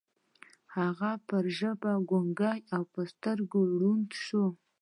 هغه پر ژبه ګونګۍ او پر سترګو ړنده شوه.